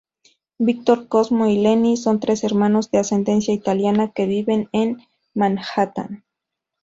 Víctor, Cosmo y Lenny son tres hermanos de ascendencia italiana que viven en Manhattan.